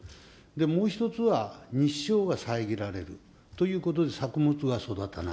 もう１つは、日照が遮られるということで、作物が育たない。